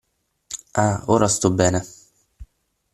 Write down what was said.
Ah, ora sto bene!